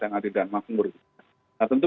yang adil dan makmur nah tentu